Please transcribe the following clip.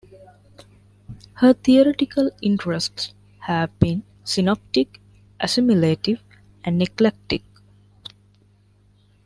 Her theoretical interests have been synoptic, assimilative and eclectic.